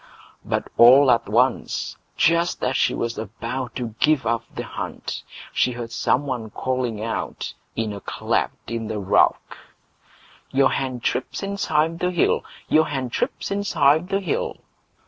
But all at once, just as she was about to give up the hunt, she heard some one calling out in a cleft in the rock: Your hen trips inside the hill! Your hen trips inside the hill!